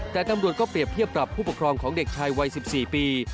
แต่ตำรวจก็เปรียบเทียบปรับผู้ปกครองของเด็กชายวัย๑๔ปี